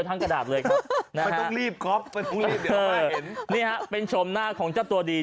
ทั้งกระดาษเลยครับนะฮะนี่ฮะเป็นชมหน้าของเจ้าตัวดี